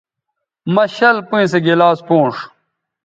مہ شَل پئیں سو گلاس پونݜ